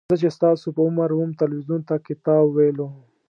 زه چې ستاسو په عمر وم تلویزیون ته کتاب ویلو.